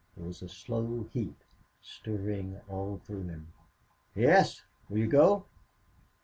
There was a slow heat stirring all through him. "Yes. Will you go?"